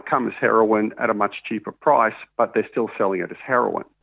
tapi mereka masih menjualnya sebagai heroin